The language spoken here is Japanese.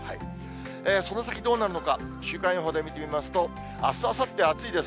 その先、どうなるのか、週間予報で見てみますと、あす、あさって、暑いです。